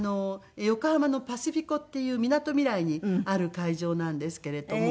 横浜のパシフィコっていうみなとみらいにある会場なんですけれども。